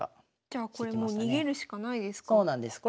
じゃあこれもう逃げるしかないですか？